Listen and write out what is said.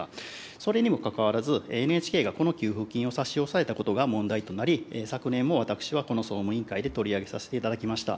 それにもかかわらず、ＮＨＫがこの給付金を差し押さえたことが問題となり、昨年も私はこの総務委員会で取り上げさせていただきました。